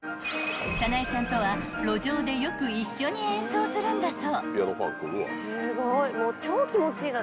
［さなゑちゃんとは路上でよく一緒に演奏するんだそう］